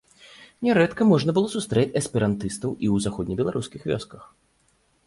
Нярэдка можна было сустрэць эсперантыстаў і ў заходнебеларускіх вёсках.